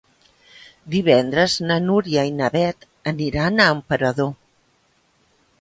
Divendres na Núria i na Beth aniran a Emperador.